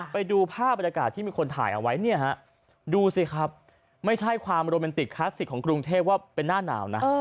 ไปดูภาพบรรยากาศที่มีคนถ่ายเอาไว้เนี่ยฮะดูสิครับไม่ใช่ความโรแมนติกคลาสสิกของกรุงเทพว่าเป็นหน้าหนาวนะ